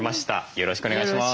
よろしくお願いします。